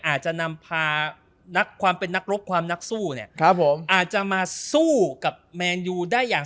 อาจจะนำพานักความเป็นนักรบความนักสู้เนี่ยครับผมอาจจะมาสู้กับแมนยูได้อย่าง